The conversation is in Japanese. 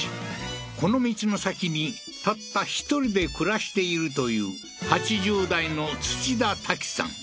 この道の先にたった１人で暮らしているという８０代のツチダタキさん